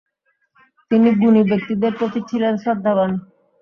তিনি গুণী ব্যক্তিদের প্রতি ছিলেন শ্রদ্ধাবান।